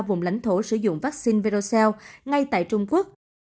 vùng lãnh thổ sử dụng vắc xin verocell ngay tại trung quốc